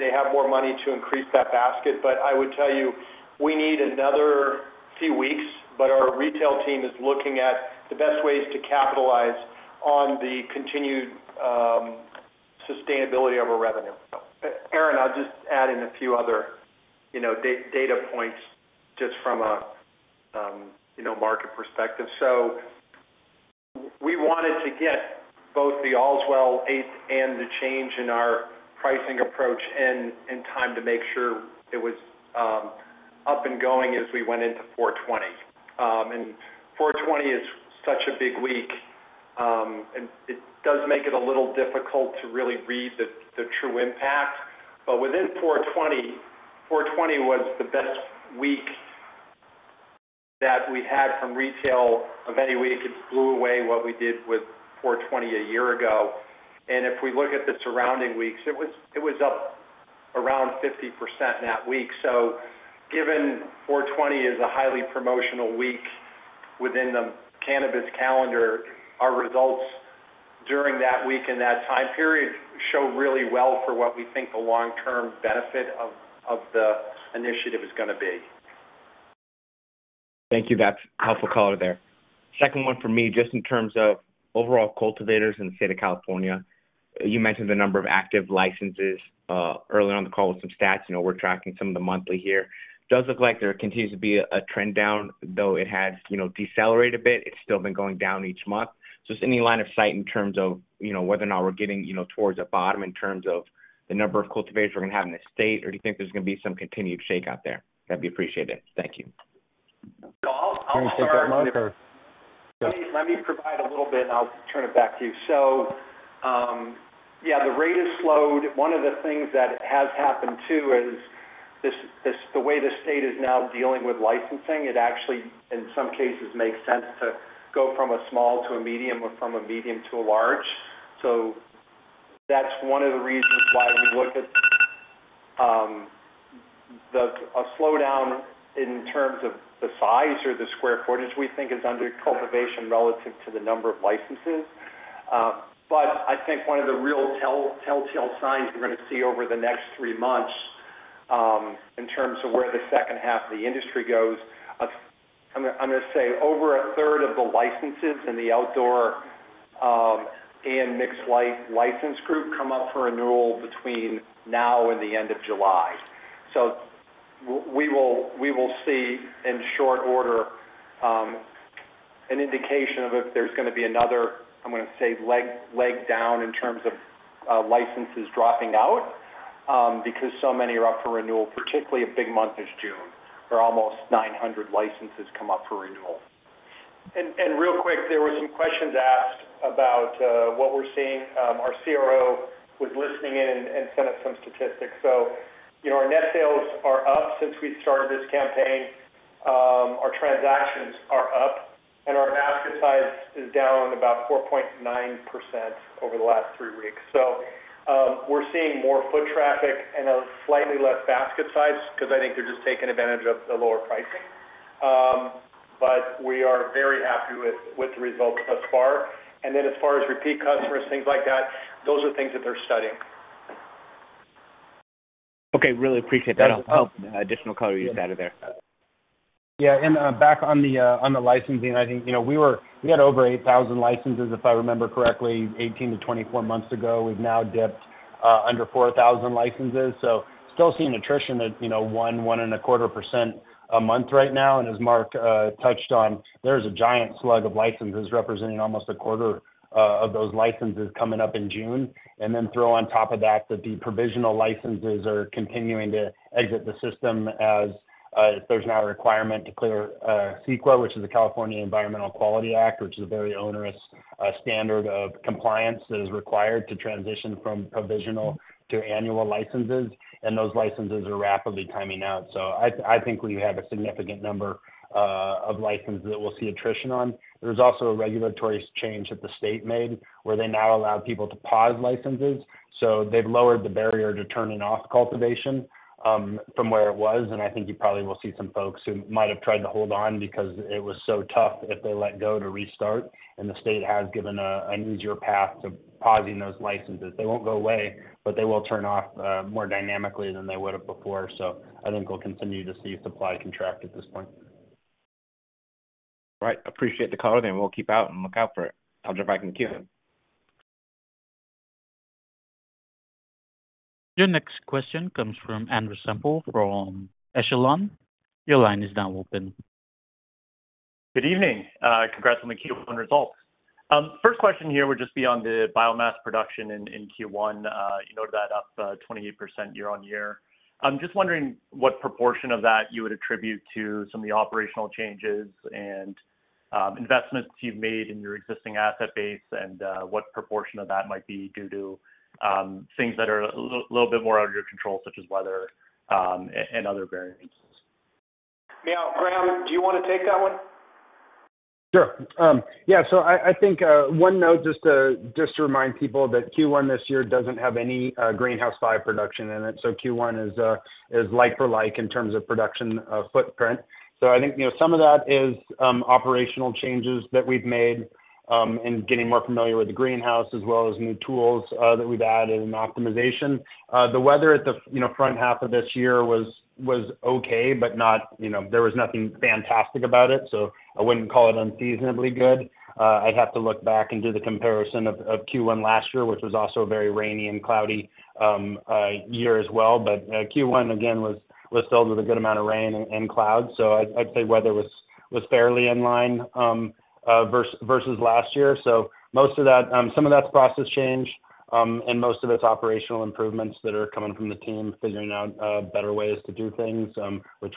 they have more money to increase that basket. But I would tell you, we need another few weeks. But our retail team is looking at the best ways to capitalize on the continued sustainability of our revenue. Aaron, I'll just add in a few other data points just from a market perspective. So we wanted to get both the Allswell eighth and the change in our pricing approach in time to make sure it was up and going as we went into 4/20. And 4/20 is such a big week. And it does make it a little difficult to really read the true impact. But within 4/20, 4/20 was the best week that we had from retail of any week. It blew away what we did with 4/20 a year ago. And if we look at the surrounding weeks, it was up around 50% that week. So given 4/20 is a highly promotional week within the cannabis calendar, our results during that week and that time period show really well for what we think the long-term benefit of the initiative is going to be. Thank you. That's a helpful color there. Second one for me, just in terms of overall cultivators in the state of California, you mentioned the number of active licenses. Earlier on the call with some stats, we're tracking some of the monthly here. Does look like there continues to be a trend down, though it has decelerated a bit. It's still been going down each month. So just any line of sight in terms of whether or not we're getting towards a bottom in terms of the number of cultivators we're going to have in the state? Or do you think there's going to be some continued shakeout there? That'd be appreciated. Thank you. I'll start with. Can I take that mic or? Let me provide a little bit, and I'll turn it back to you. So yeah, the rate has slowed. One of the things that has happened too is the way the state is now dealing with licensing. It actually, in some cases, makes sense to go from a small to a medium or from a medium to a large. So that's one of the reasons why we look at a slowdown in terms of the size or the square footage. We think it's under cultivation relative to the number of licenses. But I think one of the real telltale signs we're going to see over the next three months in terms of where the second half of the industry goes, I'm going to say over a third of the licenses in the outdoor and mixed-light license group come up for renewal between now and the end of July. So we will see in short order an indication of if there's going to be another, I'm going to say, leg down in terms of licenses dropping out because so many are up for renewal, particularly a big month as June where almost 900 licenses come up for renewal. Real quick, there were some questions asked about what we're seeing. Our CRO was listening in and sent us some statistics. So our net sales are up since we started this campaign. Our transactions are up. And our basket size is down about 4.9% over the last three weeks. So we're seeing more foot traffic and a slightly less basket size because I think they're just taking advantage of the lower pricing. But we are very happy with the results thus far. And then as far as repeat customers, things like that, those are things that they're studying. Okay. Really appreciate that. That'll help. Additional color you just added there. Yeah. And back on the licensing, I think we had over 8,000 licenses, if I remember correctly, 18-24 months ago. We've now dipped under 4,000 licenses. So still seeing attrition at 1%-1.25% a month right now. And as Mark touched on, there is a giant slug of licenses representing almost a quarter of those licenses coming up in June. And then throw on top of that that the provisional licenses are continuing to exit the system as there's now a requirement to clear CEQA, which is the California Environmental Quality Act, which is a very onerous standard of compliance that is required to transition from provisional to annual licenses. And those licenses are rapidly timing out. So I think we have a significant number of licenses that we'll see attrition on. There's also a regulatory change that the state made where they now allow people to pause licenses. So they've lowered the barrier to turning off cultivation from where it was. And I think you probably will see some folks who might have tried to hold on because it was so tough if they let go to restart. And the state has given an easier path to pausing those licenses. They won't go away, but they will turn off more dynamically than they would have before. So I think we'll continue to see supply contract at this point. All right. Appreciate the call, then. We'll keep out and look out for it. I'll jump back in the queue. Your next question comes from Andrew Semple from Echelon. Your line is now open. Good evening. Congrats on the Q1 results. First question here would just be on the biomass production in Q1. You noted that up 28% year-over-year. I'm just wondering what proportion of that you would attribute to some of the operational changes and investments you've made in your existing asset base and what proportion of that might be due to things that are a little bit more out of your control, such as weather and other variants. Now, Graham, do you want to take that one? Sure. Yeah. So I think one note just to remind people that Q1 this year doesn't have any greenhouse bioproduction in it. So Q1 is like for like in terms of production footprint. So I think some of that is operational changes that we've made in getting more familiar with the greenhouse as well as new tools that we've added and optimization. The weather at the front half of this year was okay, but there was nothing fantastic about it. So I wouldn't call it unseasonably good. I'd have to look back and do the comparison of Q1 last year, which was also a very rainy and cloudy year as well. But Q1, again, was filled with a good amount of rain and clouds. So I'd say weather was fairly in line versus last year. Some of that's process change and most of it's operational improvements that are coming from the team figuring out better ways to do things, which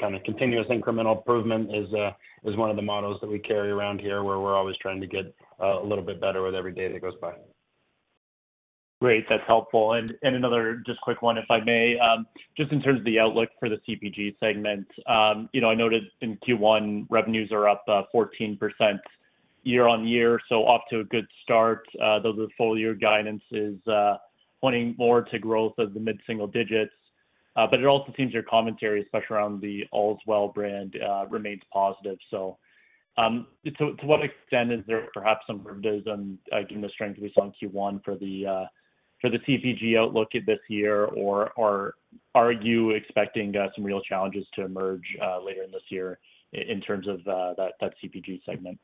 kind of continuous incremental improvement is one of the models that we carry around here where we're always trying to get a little bit better with every day that goes by. Great. That's helpful. And another just quick one, if I may, just in terms of the outlook for the CPG segment, I noted in Q1, revenues are up 14% year-over-year. So off to a good start, though the full-year guidance is pointing more to growth of the mid-single digits. But it also seems your commentary, especially around the Allswell brand, remains positive. So to what extent is there perhaps some conservatism given the strength we saw in Q1 for the CPG outlook this year? Or are you expecting some real challenges to emerge later in this year in terms of that CPG segment?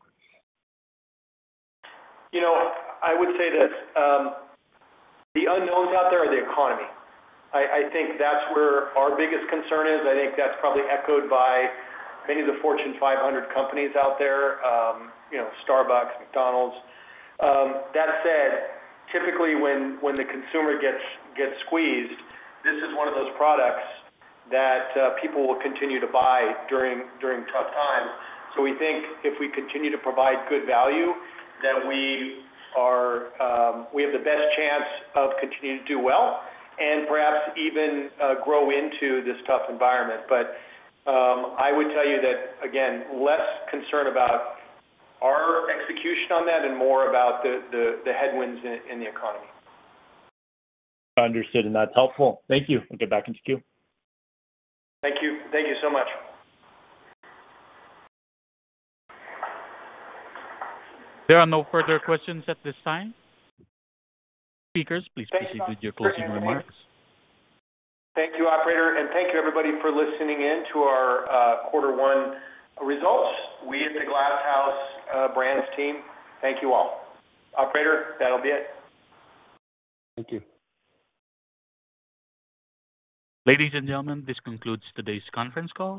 I would say that the unknowns out there are the economy. I think that's where our biggest concern is. I think that's probably echoed by many of the Fortune 500 companies out there, Starbucks, McDonald's. That said, typically, when the consumer gets squeezed, this is one of those products that people will continue to buy during tough times. So we think if we continue to provide good value, that we have the best chance of continuing to do well and perhaps even grow into this tough environment. But I would tell you that, again, less concern about our execution on that and more about the headwinds in the economy. Understood. And that's helpful. Thank you. I'll get back into the queue. Thank you. Thank you so much. There are no further questions at this time. Speakers, please proceed with your closing remarks. Thank you, operator. Thank you, everybody, for listening in to our quarter one results. We at the Glass House Brands team, thank you all. Operator, that'll be it. Thank you. Ladies and gentlemen, this concludes today's conference call.